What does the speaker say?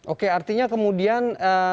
oke artinya kemudian